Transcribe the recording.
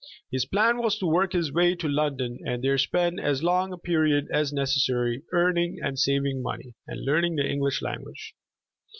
His plan was to work his way to London, and there spend as long a period as necessary, earning and saving money, and learning the English language.